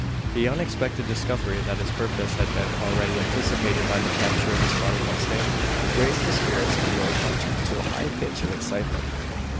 The unexpected discovery, that his purpose had been already anticipated by the capture of the spotted mustang, raised the spirits of the old hunter to a high pitch of excitement.